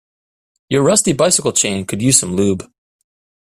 Your rusty bicycle chain could use some lube.